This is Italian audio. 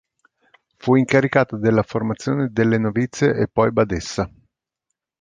Fu incaricata della formazione delle novizie e poi badessa.